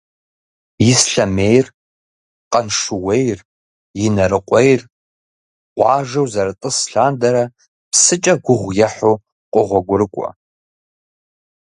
Ислъэмейр, Къаншыуейр, Инарыкъуейр къуажэу зэрытӏыс лъандэрэ псыкӏэ гугъу ехьу къогъуэгурыкӏуэ.